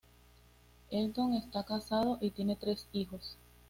Elton está casado y tiene tres hijos.